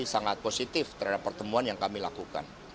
sangat positif terhadap pertemuan yang kami lakukan